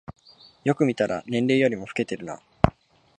よく見たら年齢よりも老けてるな